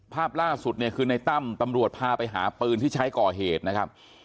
ภาพล่าสุดเนี่ยคือในตั้มตำรวจพาไปหาปืนที่ใช้ก่อเหตุนะครับ